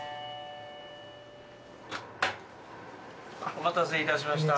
お待たせいたしました。